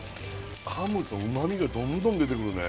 噛むと旨みがどんどん出てくるね